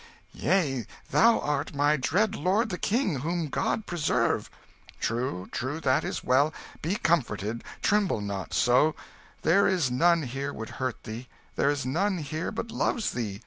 "Yea: thou art my dread lord the King, whom God preserve!" "True, true that is well be comforted, tremble not so; there is none here would hurt thee; there is none here but loves thee.